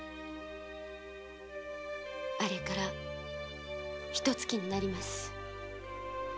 あれからひとつきになります。